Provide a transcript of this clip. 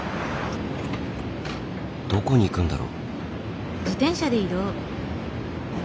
どこに行くんだろう？